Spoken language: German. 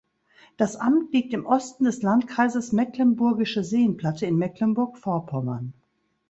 Das Amt liegt im Osten des Landkreises Mecklenburgische Seenplatte in Mecklenburg-Vorpommern.